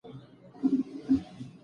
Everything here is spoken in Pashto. دا يې غاښ په خوله کې زېب کا